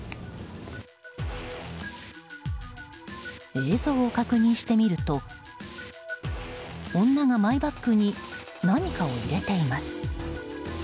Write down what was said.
映像を確認してみると女がマイバッグに何かを入れています。